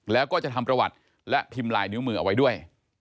แล้วก็จะทำประวัติและพิมพ์ลายนิ้วมือเอาไว้ด้วย